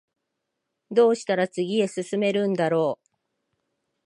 どうしたら次へ進めるんだろう